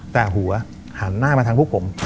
แต่หัวหันหน้ามาทางพวกผม